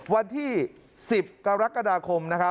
วันที่๑๐กรกฎาคม